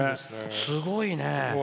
すごいね！